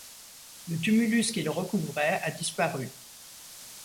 Le tumulus qui le recouvrait a disparu.